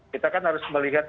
kita kan harus melihat